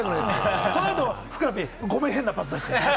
ふくらＰ、ごめん変なパス出して。